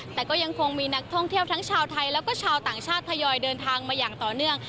แต่ก็ยังคงมีนักท่องเที่ยวทั้งชาวไทยแล้วก็ชาวต่างชาติทยอยเดินทางมาอย่างต่อเนื่อง